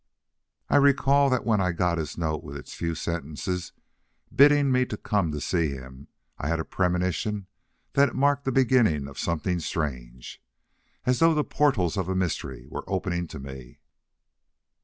I recall that when I got his note with its few sentences bidding me come to see him, I had a premonition that it marked the beginning of something strange. As though the portals of a mystery were opening to me!